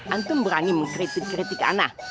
antum berani mengkritik kritik anah